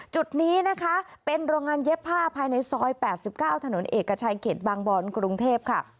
จุดนี้นะคะเป็นโรงงานเย็บผ้าภายในซอย๘๙ถนนเอกชัยเขตบางบอนกรุงเทพค่ะ